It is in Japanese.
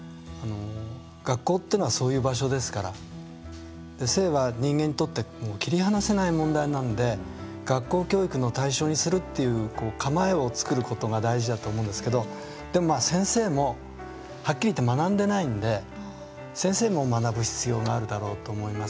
学校っていうのはそういう場所ですから性は人間にとって切り離せない問題なので学校教育の対称にするという構えを作ることが大事だと思うんですがでも、先生もはっきりいって学んでないので先生も学ぶ必要があるだろうと思います。